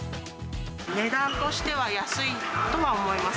値段としては安いとは思います。